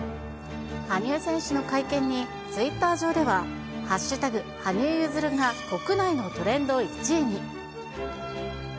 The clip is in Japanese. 羽生選手の会見に、ツイッター上では、＃羽生結弦が国内のトレンド１位に。